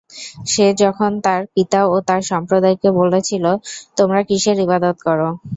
সে যখন তার পিতা ও তার সম্প্রদায়কে বলেছিল, তোমরা কিসের ইবাদত কর?